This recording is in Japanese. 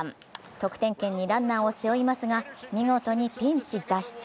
得点圏にランナーを背負いますが見事にピンチ脱出。